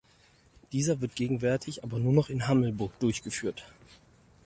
Dieser wird gegenwärtig aber nur noch in Hammelburg durchgeführt.